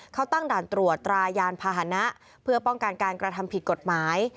เขาตั้งด่านตรวจตรายานพาหนะเพื่อป้องกันการกระทำผิดกฎหมาย